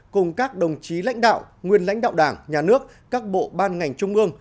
cùng các đồng chí lãnh đạo nguyên lãnh đạo đảng nhà nước các bộ ban ngành trung ương